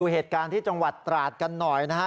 เหตุการณ์ที่จังหวัดตราดกันหน่อยนะฮะ